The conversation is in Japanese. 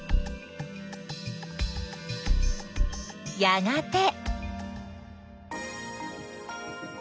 やがて。